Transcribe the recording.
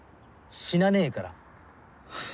死なねぇから。